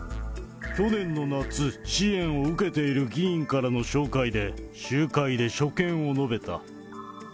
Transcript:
去年の夏、支援を受けている議員からの紹介で、集会で所見を述べた。